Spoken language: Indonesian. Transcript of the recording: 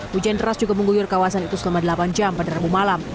hujan deras juga mengguyur kawasan itu selama delapan jam pada rabu malam